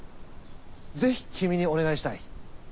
ぜひ君にお願いしたい。